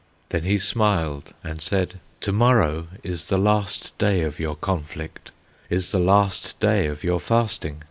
Then he smiled, and said: "To morrow Is the last day of your conflict, Is the last day of your fasting.